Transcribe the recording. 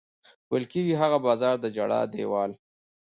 ویل کېږي هغه بازار د ژړا دېوال.